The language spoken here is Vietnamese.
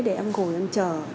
để em gồm em chờ